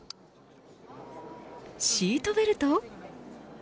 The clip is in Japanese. シートベルト。